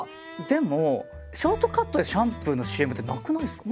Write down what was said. でもショートカットでシャンプーのＣＭってなくないですか？